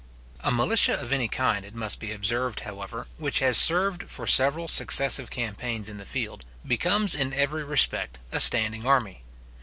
A militia of any kind, it must be observed, however, which has served for several successive campaigns in the field, becomes in every respect a standing army.